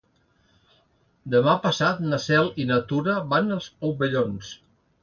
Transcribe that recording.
Demà passat na Cel i na Tura van als Omellons.